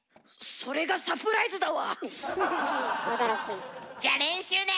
それがサプライズだわ！